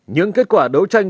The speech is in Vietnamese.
những kết quả đấu tranh